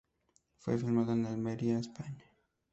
Fue filmado en Almería, España.